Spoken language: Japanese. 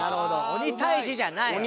「鬼退治」じゃないのね。